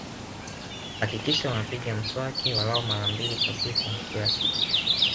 Hakikisha unapiga mswaki walau mara mbili kwa siku kila siku